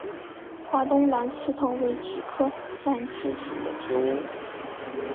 华东蓝刺头为菊科蓝刺头属的植物。